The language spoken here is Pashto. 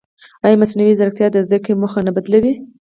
ایا مصنوعي ځیرکتیا د زده کړې موخه نه بدلوي؟